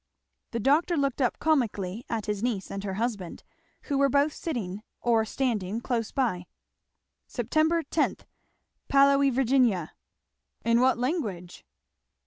The doctor looked up comically at his niece and her husband, who were both sitting or standing close by. "'Sep. 10. Paolo e Virginia.' In what language?"